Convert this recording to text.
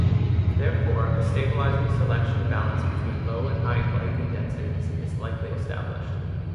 Therefore, a stabilizing selection balance between low and high glycan densities is likely established.